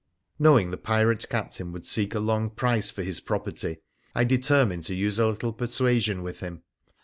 Knowing the pirate captain would seek a long price for his property, I determined to use a little persuasion with him.